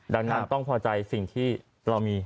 ดังนั้นต้องพอใจสิ่งที่เรามี